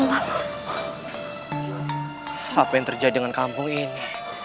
apa yang terjadi dengan kampung ini